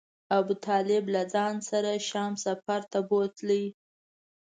ابو طالب له ځان سره شام سفر ته بوته.